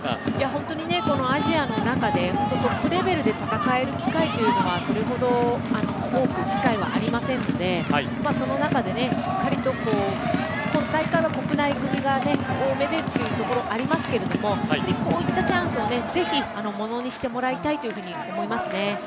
本当にアジアの中でトップレベルで戦える機会というのはそれほど多く機会はありませんのでその中で、しっかりとこの大会から国内組が多めでというところがありますが本当にこういったチャンスをぜひものにしてもらいたいというふうに思いますね。